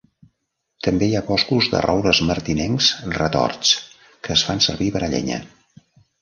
També hi ha boscos de roures martinencs retorts que es fan servir per a llenya.